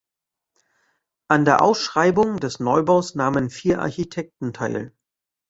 An der Ausschreibung des Neubaus nahmen vier Architekten teil.